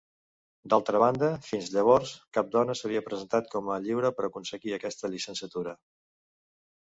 D'altra banda, fins llavors cap dona s'havia presentat com a lliure per aconseguir aquesta llicenciatura.